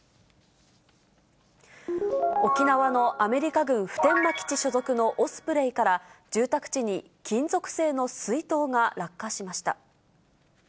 沖縄のアメリカ軍普天間基地所属のオスプレイから、住宅地に金属製の水筒が落下しました。